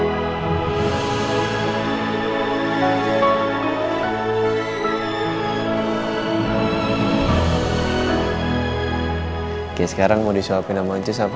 oke sekarang mau disuapin sama uncus apa sama oma